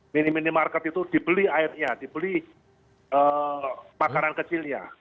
mini mini market itu dibeli airnya dibeli makanan kecilnya